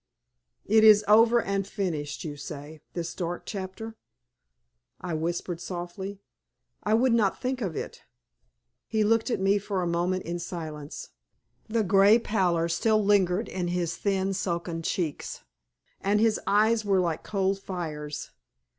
"It is over and finished, you say, this dark chapter," I whispered, softly. "I would not think of it." He looked at me for a moment in silence. The grey pallor still lingered in his thin, sunken cheeks, and his eyes were like cold fires.